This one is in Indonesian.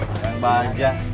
eh jangan bahagia